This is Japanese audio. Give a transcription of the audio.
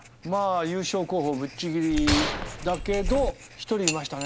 優勝候補ぶっちぎりだけど１人いましたね。